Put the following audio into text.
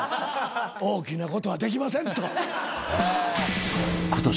大きなことはできませんと。